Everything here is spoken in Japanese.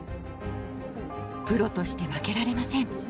プロとして負けられません。